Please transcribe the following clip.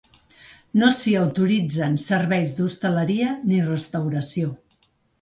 No s’hi autoritzen serveis d’hostaleria ni restauració.